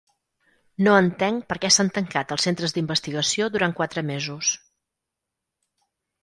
No entenc per què s’han tancat els centres d’investigació durant quatre mesos.